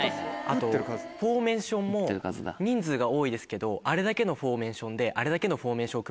あとフォーメーションも人数が多いですけどあれだけのフォーメーションで。